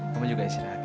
kamu juga isi lahat ya